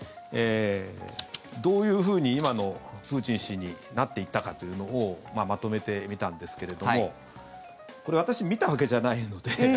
どういうふうに今のプーチン氏になっていったかというのをまとめてみたんですけれどもこれ私、見たわけじゃないので。